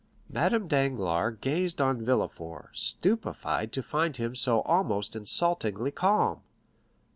Madame Danglars gazed on Villefort, stupefied to find him so almost insultingly calm.